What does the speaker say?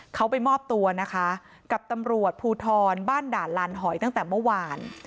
เขาไปมอบตัวนะคะกับตำรวจภูทรบ้านด่านลานหอยตั้งแต่เมื่อวาน